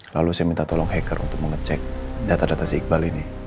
lalu saya minta tolong hacker untuk mengecek data data si iqbal ini